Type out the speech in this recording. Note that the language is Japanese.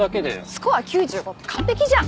スコア９５って完璧じゃん。